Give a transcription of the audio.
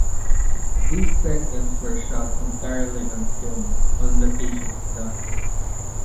These segments were shot entirely on film, on location in London.